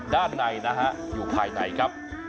ด้านในนะฮะอยู่ภายในครับ